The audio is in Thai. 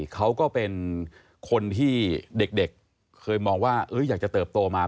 เขาก็เป็นคนที่เด็กเคยมองว่าอยากจะเติบโตมา